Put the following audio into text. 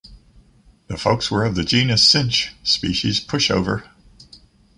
The folks were of the genus cinch, species pushover.